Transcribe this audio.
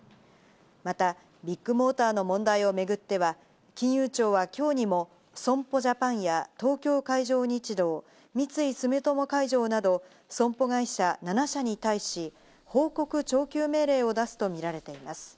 またビッグモーターの問題を巡っては、金融庁はきょうにも損保ジャパンや東京海上日動、三井住友海上など損保会社７社に対し、報告徴求命令を出すとみられています。